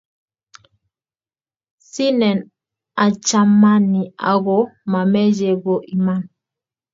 Sinen achamani ako mameche ko iman